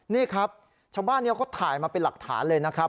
นี่ครับชาวบ้านนี้เขาถ่ายมาเป็นหลักฐานเลยนะครับ